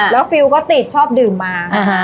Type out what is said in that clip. แล้วกูติดชอบดื่นมา